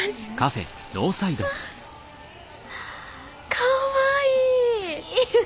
かわいい！